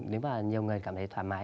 nếu mà nhiều người cảm thấy thoải mái